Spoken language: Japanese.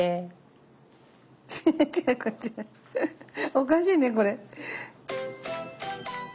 おかしいねこれ。